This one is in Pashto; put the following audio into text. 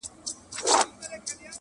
راووزه جهاني په خلوتونو پوره نه سوه!.